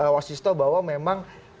wasisto bahwa memang